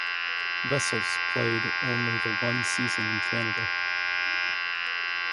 Vessels played only the one season in Canada.